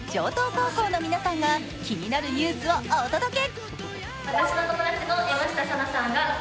高校の皆さんが気になるニュースをお届け。